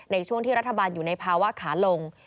ในช่วงที่รัฐบาลอยู่ในภาวะขาลง